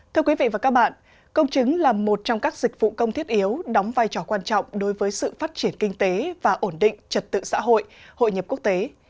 thưa quý vị và các bạn công chứng là một trong các dịch vụ công thiết yếu đóng vai trò quan trọng đối với sự phát triển kinh tế và ổn định trật tự xã hội hội nhập quốc tế